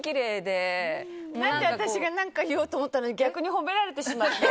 私が言おうと思ったのに逆に褒められてしまって。